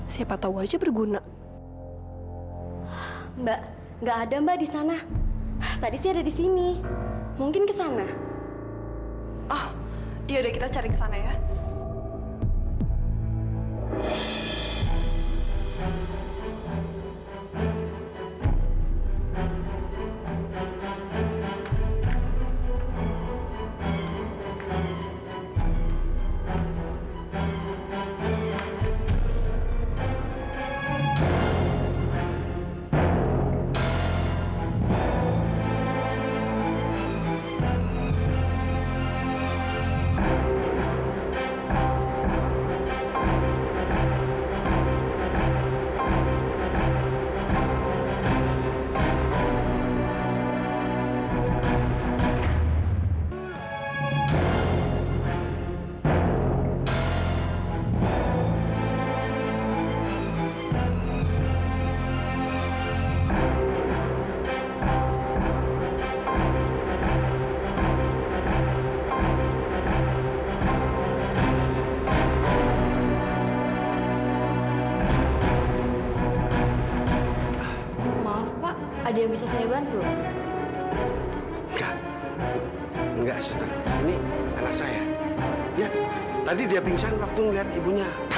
saya mau pulang naik kendaraan nunggu maja